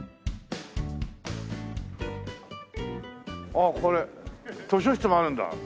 あっこれ図書室もあるんだ。